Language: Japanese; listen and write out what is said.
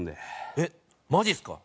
えっマジっすか？